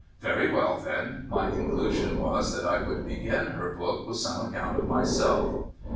Very well, then. My conclusion was that I would begin her book with some account of myself.